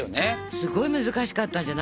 すごい難しかったんじゃない？